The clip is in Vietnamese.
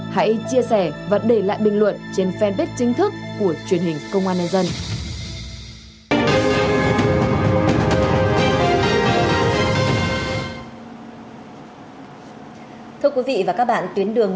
hãy chia sẻ và để lại bình luận trên fanpage chính thức của truyền hình công an nhân dân